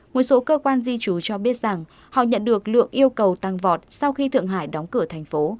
một số cơ quan di trú cho biết rằng họ nhận được lượng yêu cầu tăng vọt sau khi thượng hải đóng cửa thành phố